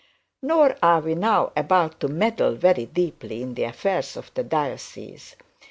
Nor are we about to meddle very deeply in the affairs of the diocese.